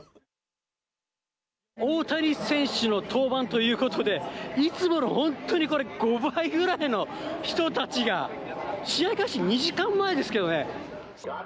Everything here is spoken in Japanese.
大谷選手の登板ということで、いつもの本当にこれ、５倍ぐらいの人たちが、試合開始２時間前ですけどね。